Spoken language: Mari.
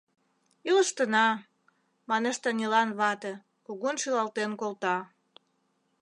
— Илыштына, — манеш Танилан вате, кугун шӱлалтен колта.